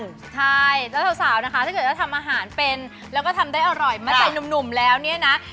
ใช่แล้วสาวนะคะถ้าเกิดว่าทำอาหารเป็นแล้วก็ทำได้อร่อยมาใส่หนุ่มแล้วเนี่ยนะ